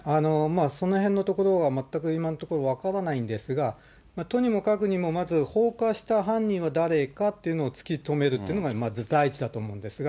そのへんのところは全く今のところ分からないんですが、とにもかくにもまず放火した犯人は誰かというのを突き止めるというのが、まず第一だと思うんですが。